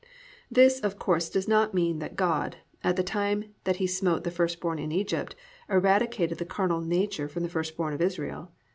"+ This, of course, does not mean that God, at the time that He smote the firstborn in Egypt, eradicated the carnal nature from the first born of Israel.